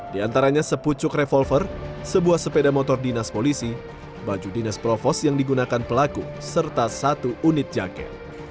di antaranya sepucuk revolver sebuah sepeda motor dinas polisi baju dinas provos yang digunakan pelaku serta satu unit jaket